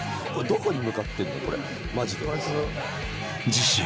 ［次週］